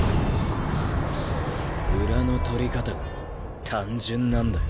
裏の取り方が単純なんだよ。